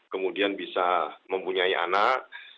kemudian bisa mempunyai anak